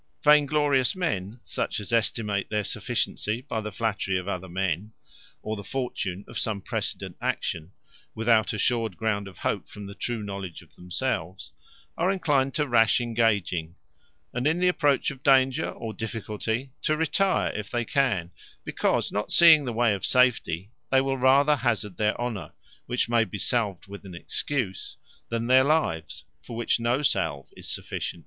Vain glorious men, such as estimate their sufficiency by the flattery of other men, or the fortune of some precedent action, without assured ground of hope from the true knowledge of themselves, are enclined to rash engaging; and in the approach of danger, or difficulty, to retire if they can: because not seeing the way of safety, they will rather hazard their honour, which may be salved with an excuse; than their lives, for which no salve is sufficient.